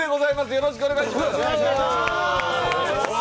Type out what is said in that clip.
よろしくお願いします。